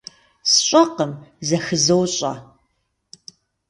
СщӀэкъым, зэхызощӀэ.